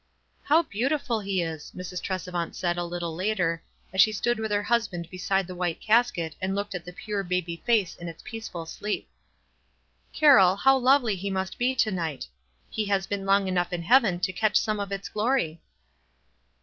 "How beautiful he is !" Mrs. Tresevant said a little later, as she stood with her husband be side the white casket and looked at the pure baby face in its peaceful sleep. "Carroll, how lovely he must be to night ! he has been long enough in heaveu to catch some of its glory."